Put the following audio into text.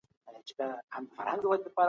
که انلاین زده کړه وي، د ښوونکو کمښت اغېز کمېږي.